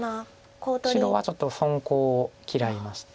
白はちょっと損コウを嫌いまして。